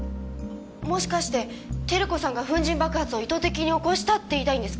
もしかして照子さんが粉塵爆発を意図的に起こしたって言いたいんですか？